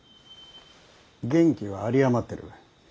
元気は有り余ってる。